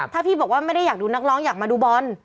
ถ้าพี่บอกว่าไม่ได้อยากดูนักร้องอยากมาดูบอล